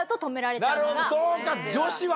なるほどそうか。